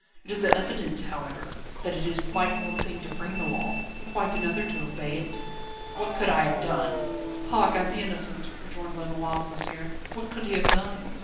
It is evident, however, that it is quite one thing to frame a law and quite another to obey it." "What could I have done?" "Hark at the innocent!" rejoined Lenoir, with a sneer. "What could he have done?